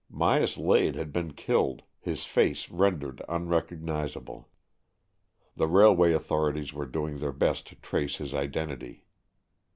'' Myas Lade had been killed, his face being rendered un recognizable. The railway authorities were doing their best to trace his identity.